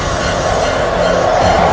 amin ya rukh alamin